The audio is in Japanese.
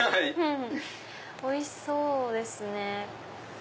おいしそうですね。